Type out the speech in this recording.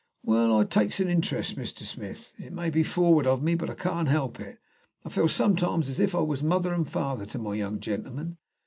"Well, I takes an interest, Mr. Smith. It may be forward of me, but I can't help it. I feel sometimes as if I was mother and father to my young gentlemen.